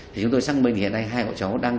thì chúng tôi xác định hiện nay hai cậu cháu đang